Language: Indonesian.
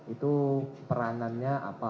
itu peranannya apa